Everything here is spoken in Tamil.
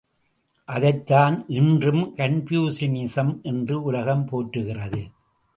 அதைத்தான் இன்றும் கன்பூசியனிசம் என்று உலகம் போற்றுகிறது.